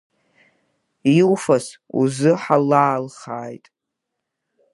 Иуфаз узыҳалалхааит.